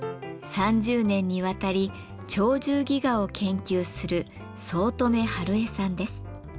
３０年にわたり「鳥獣戯画」を研究する五月女晴恵さんです。